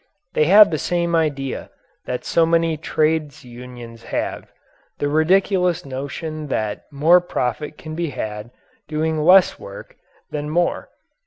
They had the same idea that so many trades unions have the ridiculous notion that more profit can be had doing less work than more.